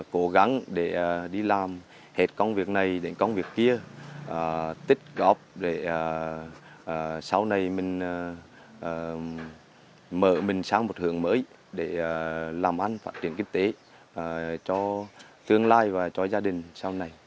cố gắng để đi làm hết công việc này đến công việc kia tích góp để sau này mình mở mình sang một hướng mới để làm ăn phát triển kinh tế cho tương lai và cho gia đình sau này